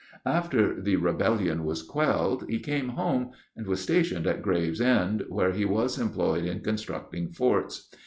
After the rebellion was quelled he came home, and was stationed at Gravesend, where he was employed in constructing forts.